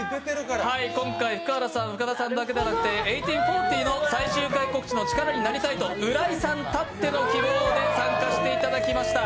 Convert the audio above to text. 今回、福原さん、深田さんだけでなく「１８／４０」の最終回告知の力になりたいと浦井さんたっての希望で参加していただきました。